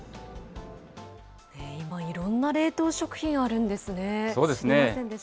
今、いろんな冷凍食品あるんですね。